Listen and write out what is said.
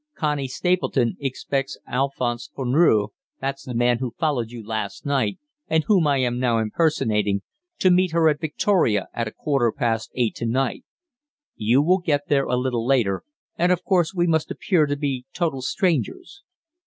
Connie Stapleton expects Alphonse Furneaux that's the man who followed you last night, and whom I am now impersonating to meet her at Victoria at a quarter past eight to night. You will get there a little later, and of course we must appear to be total strangers.